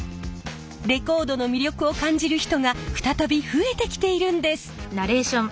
レコードの魅力を感じる人が再び増えてきているんです。